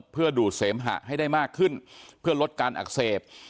เพื่อดูดเสมหะให้ได้มากขึ้นเพื่อลดการอักเสบ